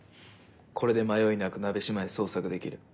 これで迷いなく「なべしま」へ捜索できる。